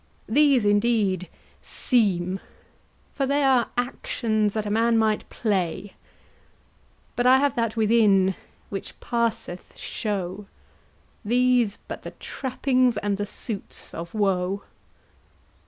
These indeed seem, For they are actions that a man might play; But I have that within which passeth show; These but the trappings and the suits of woe.